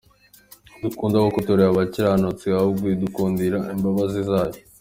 Ntidukunda kuko turi abakiranutsi ahubwo idukundira imbabazi zayo.